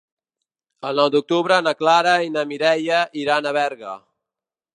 El nou d'octubre na Clara i na Mireia iran a Berga.